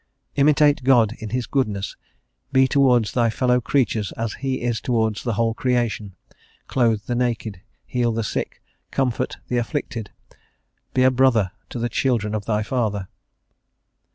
"Imitate God in His goodness. Be towards thy fellow creatures as He is towards the whole creation. Clothe the naked; heal the sick; comfort the afflicted; be a brother to the children of thy Father."